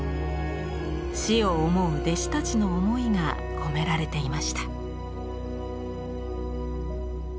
師を思う弟子たちの思いが込められていました。